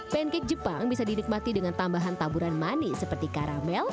pancake jepang bisa dinikmati dengan tambahan taburan manis seperti karamel